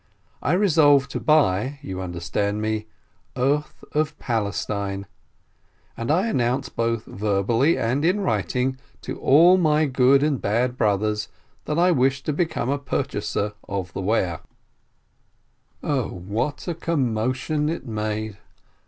I resolve to buy — you understand me? — earth of Palestine, and I an nounce both verbally and in writing to all my good and bad brothers that I wish to become a purchaser of the ware. 32 JEHALEL Oh, what a commotion it made